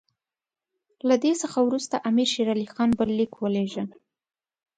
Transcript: له دې څخه وروسته امیر شېر علي خان بل لیک ولېږه.